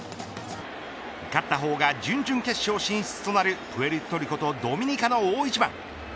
勝ったほうが準々決勝進出となるプエルトリコとドミニカの大一番。